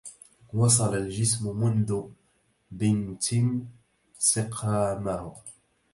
وصل الجسم منذ بنتم سقامه